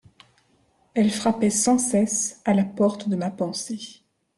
Elle frappait sans cesse à la porte de ma pensée.